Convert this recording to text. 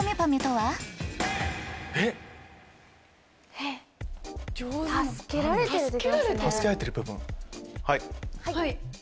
はい。